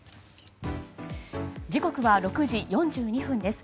時刻は６時４２分です。